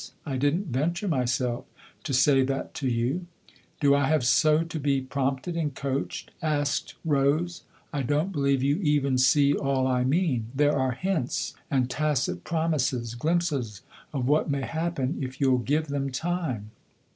I didn't venture, myself, to say that to you," " Do I have so to be prompted and coached ?" asked Rose. " I don't believe you even see all I mean. There are hints and tacit promises glimpses of what may happen if you'll give them time."